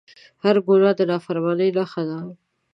هر ګناه د نافرمانۍ نښه ده